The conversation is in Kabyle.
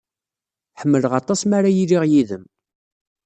Ḥemmleɣ aṭas mi ara iliɣ yid-m.